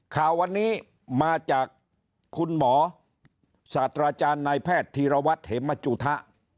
ข่าววันนี้มาจากคุณหมอศาสตราจารย์นายแพทย์ธีรวัตรเหมจุธะ